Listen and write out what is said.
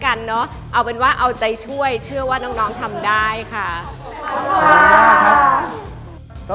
กันเนอะเอาเป็นว่าเอาใจช่วยเชื่อว่าน้องทำได้ค่ะ